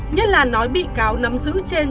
nhất là nói bị cáo nắm giữ trên